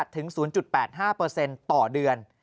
๐๕ถึง๐๘๕ต่อเดือน